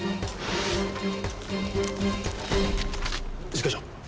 一課長。